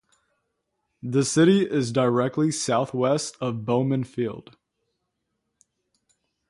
The city is directly southwest of Bowman Field.